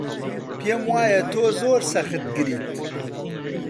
پێم وایە تۆ زۆر سەختگریت.